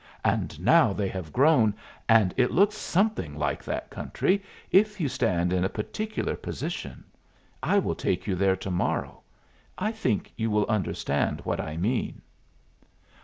And now they have grown, and it looks something like that country, if you stand in a particular position. I will take you there to morrow. I think you will understand what I mean."